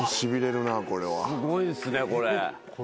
すごいですねこれ。